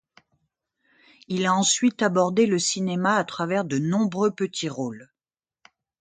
Il a ensuite abordé le cinéma à travers de nombreux petits rôles.